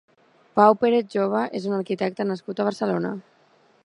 Pau Pérez Jove és un arquitecte nascut a Barcelona.